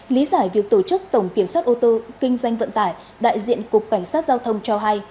lý giải việc tổ chức tổng kiểm soát ô tô kinh doanh vận tải đại diện cục cảnh sát giao thông cho hay